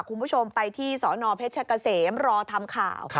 คุณผู้ชมไปที่สนเพชรเกษมรอทำข่าว